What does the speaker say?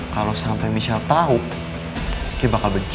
kalo sampe michelle tau lo bisa ngasih lo ke rumah aja